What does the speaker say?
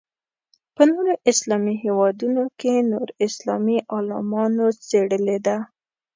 په نورو اسلامي هېوادونو کې نور اسلامي عالمانو څېړلې ده.